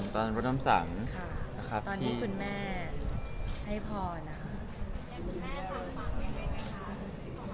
ตอนรดน้ำสั่งตอนที่คุณแม่ให้พอนะฮะ